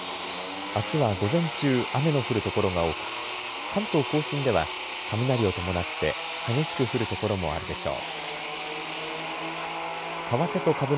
あすは午前中、雨の降る所が多く関東甲信では雷を伴って激しく降る所もあるでしょう。